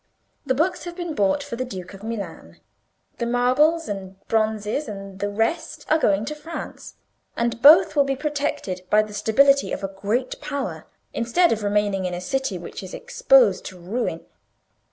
The books have been bought for the Duke of Milan, the marbles and bronzes and the rest are going to France: and both will be protected by the stability of a great Power, instead of remaining in a city which is exposed to ruin."